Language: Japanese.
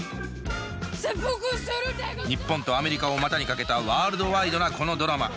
日本とアメリカを股にかけたワールドワイドなこのドラマ。